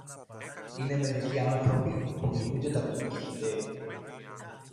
Είναι μερικοί άνθρωποι που γεννιούνται ταπεινοί και χυδαίοι.